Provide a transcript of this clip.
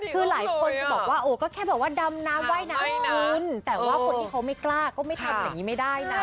คือหลายคนก็แบบว่าดำน้ำไหว้น้ำคืนแต่ว่าคนที่เขาไม่กล้าก็ไม่ทำแบบนี้ไม่ได้นะ